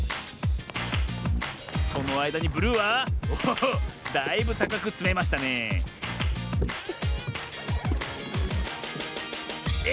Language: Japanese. そのあいだにブルーはおおだいぶたかくつめましたねええ